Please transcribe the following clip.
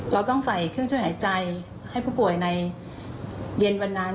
เราต้องใส่เครื่องช่วยหายใจให้ผู้ป่วยในเย็นวันนั้น